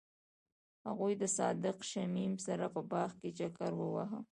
هغوی د صادق شمیم سره په باغ کې چکر وواهه.